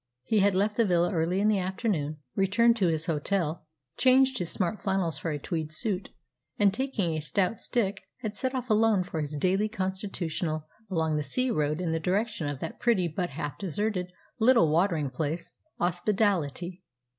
He had left the villa early in the afternoon, returned to his hotel, changed his smart flannels for a tweed suit, and, taking a stout stick, had set off alone for his daily constitutional along the sea road in the direction of that pretty but half deserted little watering place, Ospedaletti.